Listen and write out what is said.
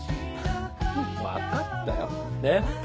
分かったよで？